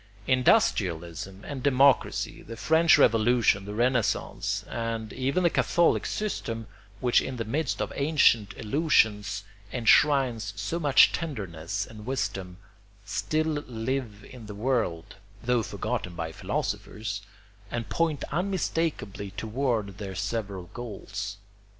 Industrialism and democracy, the French Revolution, the Renaissance, and even the Catholic system, which in the midst of ancient illusions enshrines so much tenderness and wisdom, still live in the world, though forgotten by philosophers, and point unmistakably toward their several goals.